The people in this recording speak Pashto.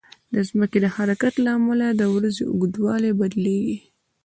د ځمکې د حرکت له امله د ورځې اوږدوالی بدلېږي.